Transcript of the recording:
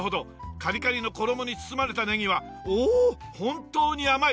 カリカリの衣に包まれたネギはおおっ本当に甘い！